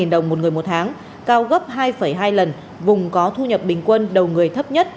sáu hai mươi ba đồng một người một tháng cao gấp hai hai lần vùng có thu nhập bình quân đầu người thấp nhất